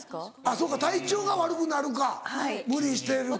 そうか体調が悪くなるか無理してると。